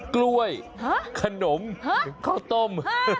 กล้วยขนมข้าวต้ม